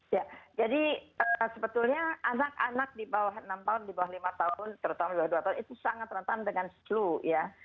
ya jadi sebetulnya anak anak di bawah enam tahun di bawah lima tahun terutama di bawah dua tahun itu sangat rentan dengan flu ya